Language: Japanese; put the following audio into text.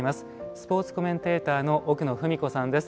スポーツコメンテーターの奥野史子さんです。